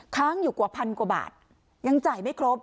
ค้างอยู่กว่าพันกว่าบาทยังจ่ายไม่ครบ